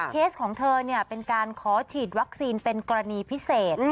เคสของเธอเป็นการขอฉีดวัคซีนเป็นกรณีพิเศษ